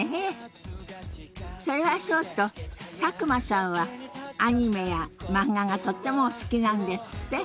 それはそうと佐久間さんはアニメや漫画がとってもお好きなんですって？